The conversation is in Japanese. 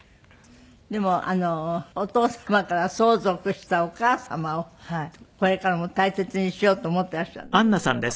でもお父様から相続したお母様をこれからも大切にしようと思っていらっしゃるんだって？